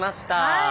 はい。